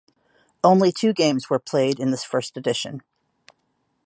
Only two games were played in this first edition.